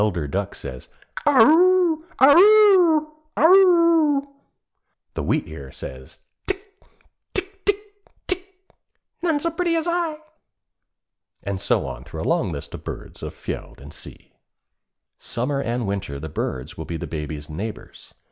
KRA! KRA!'_ The Eider duck says, 'Ah oo! AH OO! AH OO!' The Wheatear says, 'Tck! TCK! TCK! None so pretty as I!' and so on through a long list of the birds of fjeld and sea. Summer and winter the birds will be the Baby's neighbors.